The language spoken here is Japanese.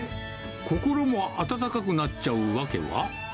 心も温かくなっちゃう訳は？